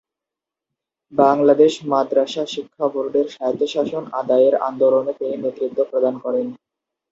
বাংলাদেশ মাদ্রাসা শিক্ষা বোর্ডের স্বায়ত্তশাসন আদায়ের আন্দোলনে তিনি নেতৃত্ব প্রদান করেন।